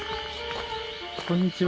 こんにちは。